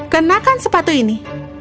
kenakan sepatu ini